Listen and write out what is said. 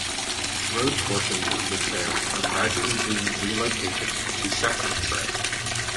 Road portions of the trail are gradually being relocated to separate trail.